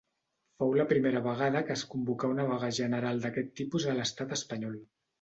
Fou la primera vegada que es convocà una vaga general d'aquest tipus a l'estat espanyol.